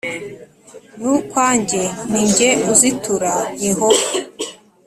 Ni ukwanjye ni jye uzitura yehova